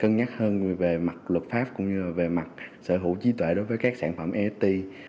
cân nhắc hơn về mặt luật pháp cũng như là về mặt sở hữu trí tuệ đối với các sản phẩm est